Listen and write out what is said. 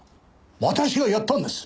私がやったんです！